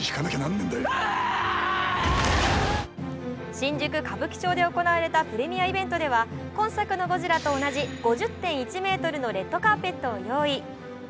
新宿歌舞伎町で行われたプレミアイベントでは今作のゴジラと同じ５０．１ｍのレッドカーペットを用意。